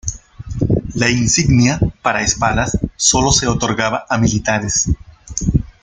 La insignia para espadas solo se otorgaba a militares.